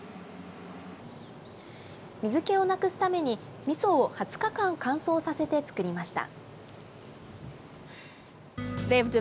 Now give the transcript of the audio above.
水けをなくすために、みそを２０日間乾燥させて作りました。